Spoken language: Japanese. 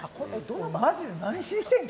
マジで何しに来てん？